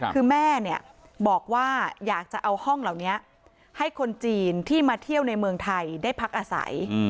คือแม่บอกว่าอยากจะเอาห้องเหล่านี้ให้คนจีนที่มาเที่ยวในเมืองไทยได้พักอาศัย